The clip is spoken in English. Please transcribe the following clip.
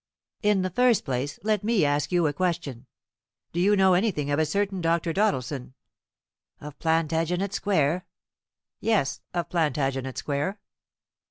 "In the first place, let me ask you a question. Do you know anything of a certain Dr. Doddleson?" "Of Plantagenet Square?" "Yes; of Plantagenet Square."